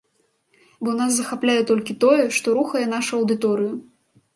Бо нас захапляе толькі тое, што рухае нашу аўдыторыю.